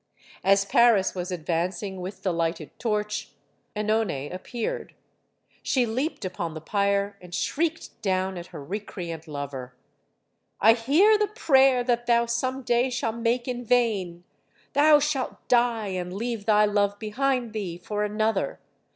As Paris was ad vancing with the lighted torch, (Enone appeared. She leaped upon the pyre and shrieked down at her re creant lover: "I hear the prayer that thou some day shall make in vain ! Thou shalt die, and leave thy love behind thee, for another.